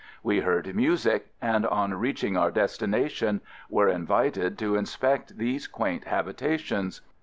We heard music, and on reaching our des FIELD SERVICE 15 tination were invited to inspect these quaint habitations.